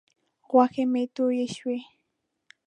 غوښې مې تویې شوې.